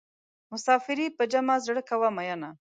مسافري په جمع زړه کوه مینه.